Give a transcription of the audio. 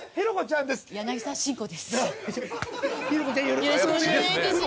よろしくお願いします。